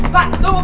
pak tunggu pak